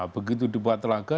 begitu dibuat telaga